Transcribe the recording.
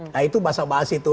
nah itu bahasa bahas itu